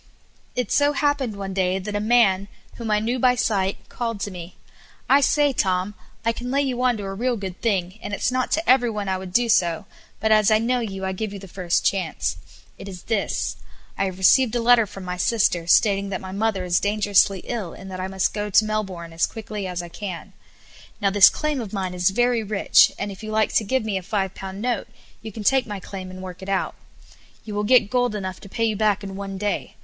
It so happened one day that a man, whom I knew by sight, called to me: "I say, Tom, I can lay you on to a real good thing, and it's not to every one I would do so, but as I know you I give you the first chance. It is this: I have received a letter from my sister, stating that my mother is dangerously ill, and that I must go down to Melbourne as quickly as I can. Now, this claim of mine is very rich, and if you like to give me a five pound note you can take my claim and work it out. You will get gold enough to pay you back in one day.